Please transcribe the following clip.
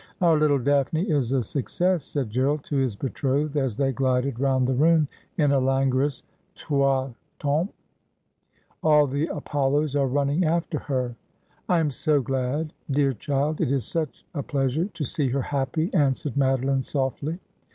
' Our little Daphne is a success !' said Gerald to his betrothed, as they glided round the room in a languorous troistemps. ' All the Apollos are running after her.' ' I am so glad. Dear child ! It is such a pleasure to see her happy,' answered Madeline softly.